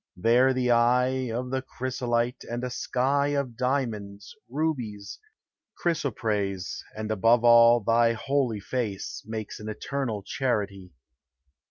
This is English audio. There the eye O' the chrysolite, And a sky Of diamonds, rubies, chrysoprase, — And above all thy holy face, — Makes an eternal charity.